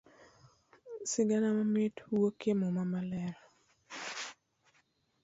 Sigana mamit wuokie muma maler.